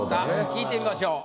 聞いてみましょう。